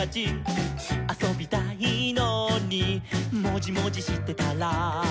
「あそびたいのにもじもじしてたら」